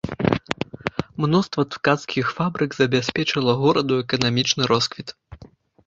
Мноства ткацкіх фабрык забяспечыла гораду эканамічны росквіт.